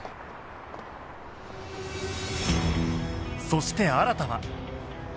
そして新は